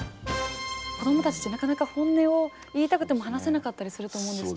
子どもたちってなかなか本音を言いたくても話せなかったりすると思うんですけど。